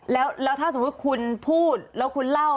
แล้วถ้าสมมุติคุณพูดแล้วคุณเล่า